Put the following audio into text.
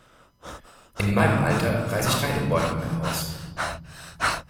In meinem Alter reiße ich keine Bäume mehr aus.